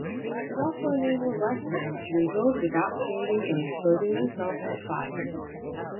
It also enabled riflemen to reload without standing and exposing themselves to fire.